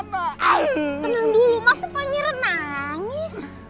tenang dulu masa pangeran nangis